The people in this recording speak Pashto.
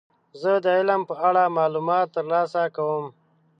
زه د علم په اړه معلومات ترلاسه کوم.